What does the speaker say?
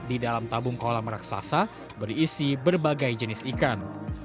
di dalam tabung kolam raksasa berisi berbagai jenis ikan